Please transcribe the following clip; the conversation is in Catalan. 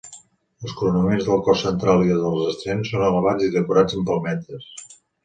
Els coronaments del cos central i dels extrems són elevats i decorats amb palmetes.